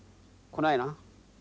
来ないな。